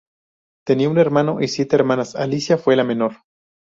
Tenía un hermano y siete hermanas, Alicia fue la menor.